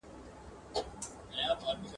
د سهارنسیم راوړی له خوږې مېني پیغام دی ..